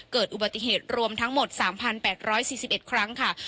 เกิดอุบัติเหตุรวมทั้งหมด๓๘๔๑ครั้งค่ะ